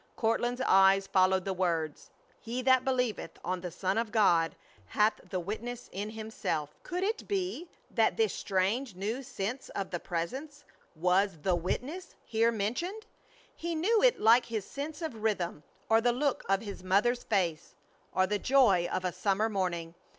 Courtland's eyes followed the words: He that believeth on the Son of God hath the witness in himself. Could it be that this strange new sense of the Presence was "the witness" here mentioned? He knew it like his sense of rhythm, or the look of his mother's face, or the joy of a summer morning.